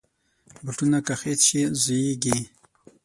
بوټونه که خیشت شي، زویږي.